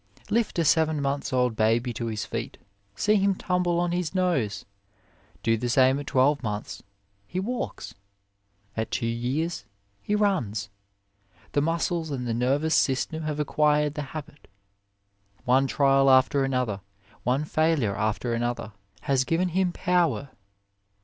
Lift a seven months old baby to his feet see him tumble on his nose. Do the same at twelve months he walks. At two years he runs. The muscles and the nervous system have acquired the habit. One trial after another, one failure after another, has given him power.